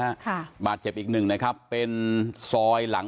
ค่ะบาดเจ็บอีกหนึ่งนะครับเป็นซอยหลัง